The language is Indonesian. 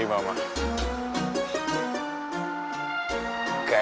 ini tiada hal kain